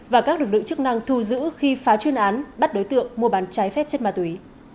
và các lực lượng chức năng thu giữ khi phá chuyên án bắt đối tượng mua bán trái phép chất ma túy